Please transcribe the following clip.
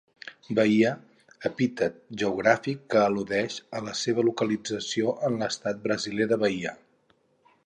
Bahia epítet geogràfic que al·ludeix a la seva localització en l'estat brasiler de Bahia.